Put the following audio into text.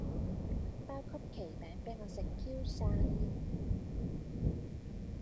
包曲奇餅比我食 Q 曬